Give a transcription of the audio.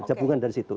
jabungan dari situ